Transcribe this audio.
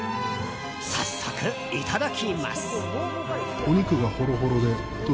早速、いただきます。